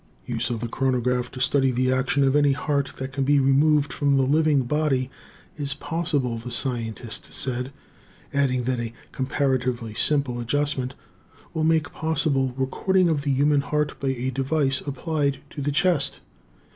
Use of the chronograph to study the action of any heart that can be removed from the living body is possible, the scientist said, adding that a comparatively simple adjustment will make possible recording of the human heart by a device applied to the chest.